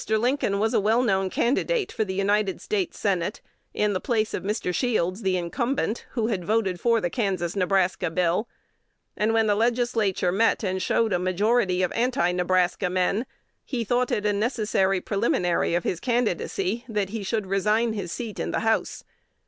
Lincoln was a well known candidate for the United States Senate, in the place of Mr. Shields, the incumbent, who had voted for the Kansas Nebraska Bill; and, when the Legislature met and showed a majority of Anti Nebraska men, he thought it a necessary preliminary of his candidacy that he should resign his seat in the House.